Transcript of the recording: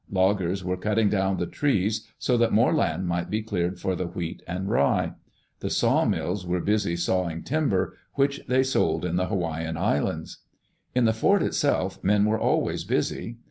Loggers were cutting down the trees, so that more land might be cleared for the wheat and rye. The sawmills were busy sawing timber, which they sold in the Hawaiian Islands. In the fort itself men were always busy.